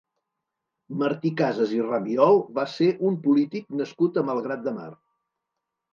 Martí Casas i Rabiol va ser un polític nascut a Malgrat de Mar.